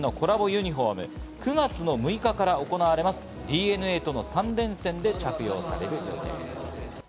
ユニフォーム、９月の６日から行われます、ＤｅＮＡとの３連戦で着用されるということです。